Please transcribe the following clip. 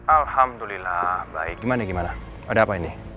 alhamdulillah baik gimana gimana ada apa ini